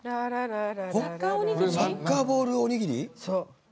サッカーぼールおにぎり？